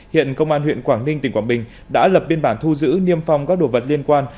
hiện công an huyện quảng ninh tỉnh quảng bình đã lập biên bản thu giữ niêm phong các đồ vật liên quan